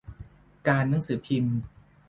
การหนังสือพิมพ์